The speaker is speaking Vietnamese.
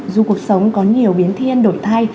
dù cuộc sống có nhiều biến thiên đổi thay